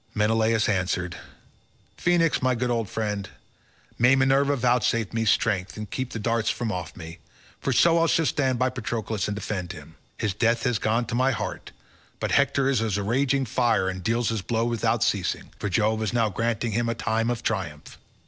Menelaus answered, "Phoenix, my good old friend, may Minerva vouchsafe me strength and keep the darts from off me, for so shall I stand by Patroclus and defend him; his death has gone to my heart, but Hector is as a raging fire and deals his blows without ceasing, for Jove is now granting him a time of triumph."